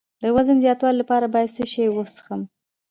د وزن زیاتولو لپاره باید څه شی وڅښم؟